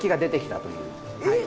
えっ！？